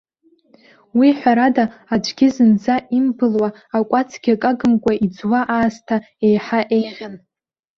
Уи ҳәарада, аҵәгьы зынӡа имбылуа, акәацгьы акы агымкәа иӡуа аасҭа еиҳа еиӷьын.